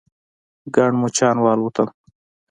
ګڼ مچان والوتل.